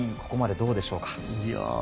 ここまでどうでしょうか？